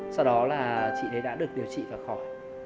sau đó là chị đấy đã được điều trị và khỏi